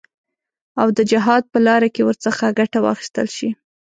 او د جهاد په لاره کې ورڅخه ګټه واخیستل شي.